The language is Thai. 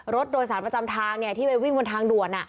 รถโดยสารประจำทางที่ไปวิ่งบนทางด่วน